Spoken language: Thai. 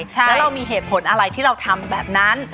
แล้วเรามีเหตุผลอะไรที่เราทำแบบนั้น